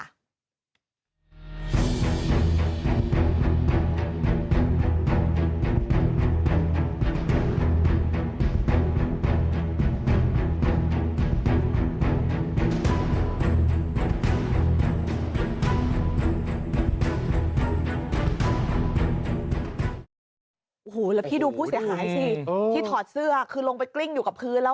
โอ้โหแล้วพี่ดูผู้เสียหายสิที่ถอดเสื้อคือลงไปกลิ้งอยู่กับพื้นแล้ว